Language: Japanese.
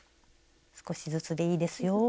少しずつでいいですよ。